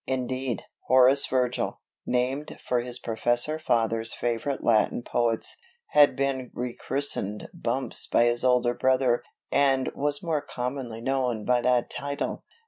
Indeed, Horace Virgil, named for his Professor father's favorite Latin poets, had been rechristened 'Bumps' by his older brother and was more commonly known by that title.